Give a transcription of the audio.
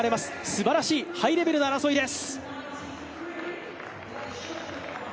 すばらしい、ハイレベルな争いです